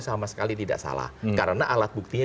sama sekali tidak salah karena alat buktinya